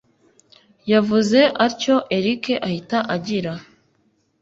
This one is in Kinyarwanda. yavuze atyo erick ahita agira